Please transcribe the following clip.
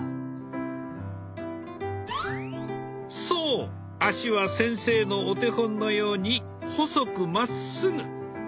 そう足は先生のお手本のように細くまっすぐ。